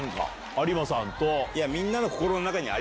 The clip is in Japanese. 有馬さんと。